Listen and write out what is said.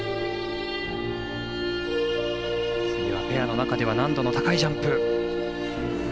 ペアの中では難度の高いジャンプ。